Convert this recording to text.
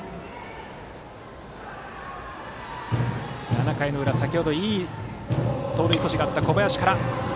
７回の裏、先程いい盗塁阻止があった小林から。